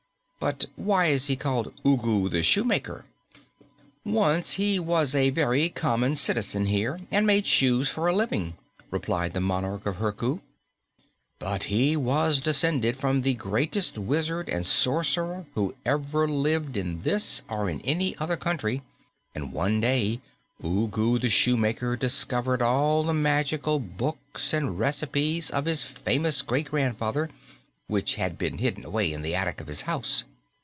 But why is he called Ugu the Shoemaker?" "Once he was a very common citizen here and made shoes for a living," replied the monarch of Herku. "But he was descended from the greatest wizard and sorcerer who ever lived in this or in any other country, and one day Ugu the Shoemaker discovered all the magical books and recipes of his famous great grandfather, which had been hidden away in the attic of his house.